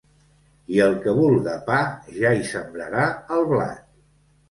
I el que vulga pa, ja hi sembrarà el blat.